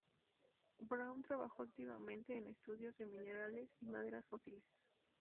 Braun trabajó activamente en estudios de minerales y maderas fósiles.